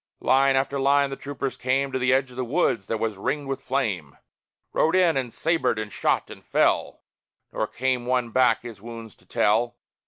Line after line the troopers came To the edge of the wood that was ringed with flame; Rode in, and sabred, and shot, and fell: Nor came one back his wounds to tell.